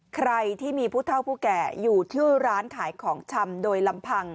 ใครที่มีผู้เท่าผู้แก่อยู่ที่ร้านขายของชำโดยลำพัง